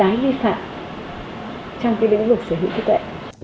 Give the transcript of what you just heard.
hành vi vi tái vi phạm trong cái biện pháp sở hữu trí tuệ